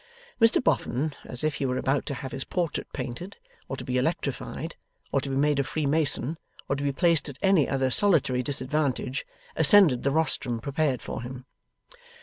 Mr Boffin, as if he were about to have his portrait painted, or to be electrified, or to be made a Freemason, or to be placed at any other solitary disadvantage, ascended the rostrum prepared for him.